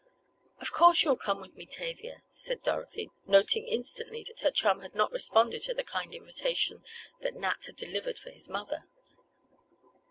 "Of course you'll come with me, Tavia," said Dorothy, noting instantly that her chum had not responded to the kind invitation that Nat had delivered for his mother.